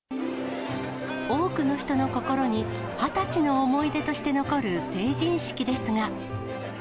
多くの人の心に二十歳の思い出として残る成人式ですが。